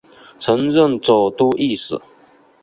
曾任左都御史。